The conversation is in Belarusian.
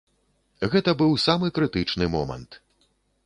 Гэта быў самы крытычны момант.